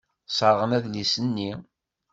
Sserɣen adlis-nni.